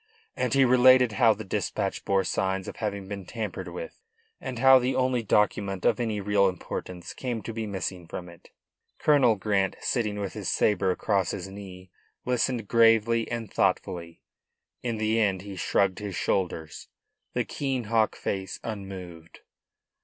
And he related how the dispatch bore signs of having been tampered with, and how the only document of any real importance came to be missing from it. Colonel Grant, sitting with his sabre across his knees, listened gravely and thoughtfully. In the end he shrugged his shoulders, the keen hawk face unmoved.